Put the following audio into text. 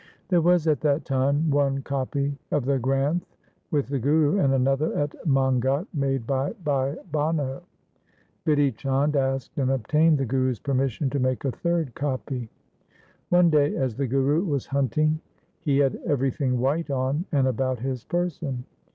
There was at that time one copy of the Granth with the Guru, and another at Mangat made by Bhai Banno. Bidhi Chand asked and obtained the Guru's permission to make a third copy. One day as the Guru was hunting he had every thing white on and about his person.